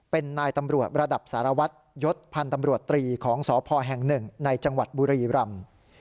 เป็นนายตำรวจระดับสารวัตรยศพันธ์ตำรวจตรีของสพแห่งหนึ่งในจังหวัดบุรีรำ